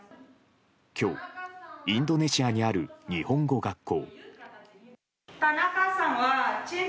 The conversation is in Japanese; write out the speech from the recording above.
今日インドネシアにある日本語学校。